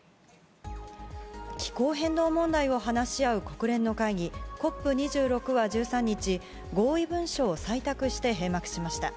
気候変動問題を話し合う国連の会議、ＣＯＰ２６は１３日、合意文書を採択して閉幕しました。